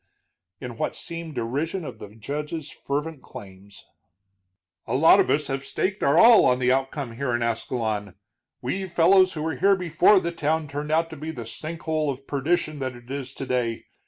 in what seemed derision of the judge's fervent claims. "A lot of us have staked our all on the outcome here in Ascalon, we fellows who were here before the town turned out to be the sink hole of perdition that it is today.